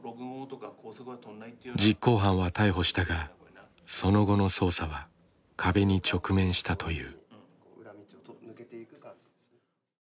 実行犯は逮捕したがその後の捜査は壁に直面したという。